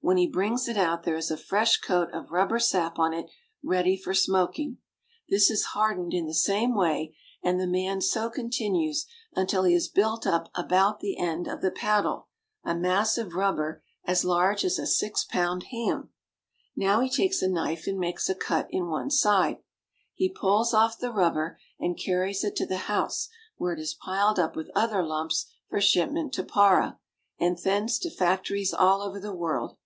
When he brings it out there is a fresh coat of rubber sap on it ready for smoking. This is hardened in the same way, and the man so continues until he has built up about the end of 320 BRAZIL. the paddle a mass of rubber as large as a six pound ham. Now he takes a knife and makes a cut in one side. He pulls off the rubber and carries it to the house, where it is piled up with other lumps for shipment to Para, and thence to factories all over the world.